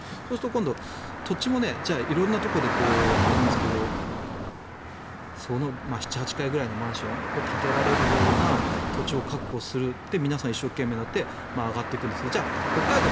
今度、土地もじゃあ色んなところでやりますが７８階ぐらいのマンションを建てられるような土地を確保するって皆さん一生懸命になって上がっていくんだけど北海道